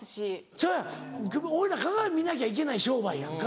ちゃうやん俺ら鏡見なきゃいけない商売やんか。